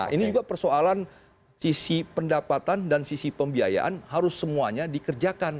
ini juga persoalan sisi pendapatan dan sisi pembiayaan harus semuanya dikerjakan